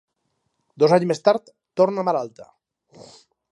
Dos anys més tard torna malalta.